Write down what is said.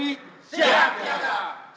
siap siap siap